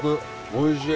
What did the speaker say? おいしい。